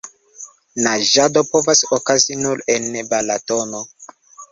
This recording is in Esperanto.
Naĝado povas okazi nur en Balatono.